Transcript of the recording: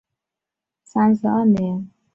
绍兴三十二年六月宋孝宗即位沿用。